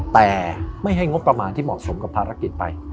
แต่ไม่ให้งบประมาณที่เหมาะสมกับภารกิจไป